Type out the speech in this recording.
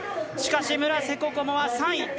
しかし村瀬心椛は３位。